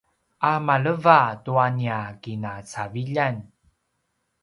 a maleva tua nia kinacaviljan